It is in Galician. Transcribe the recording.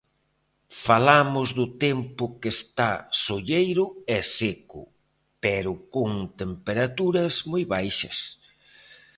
Falamos do tempo que está solleiro e seco, pero con temperaturas moi baixas.